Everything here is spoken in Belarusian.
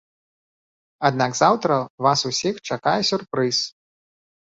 Аднак заўтра вас усіх чакае сюрпрыз.